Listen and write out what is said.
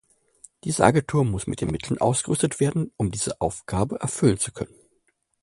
Diese Agentur muss mit den Mitteln ausgerüstet werden, um diese Aufgabe erfüllen zu können.